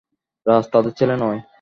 রাজ তাদের ছেলে নয়?